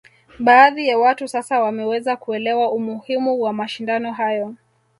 Baadhi ya watu sasa wameweza kuelewa umuhimu wa mashindano hayo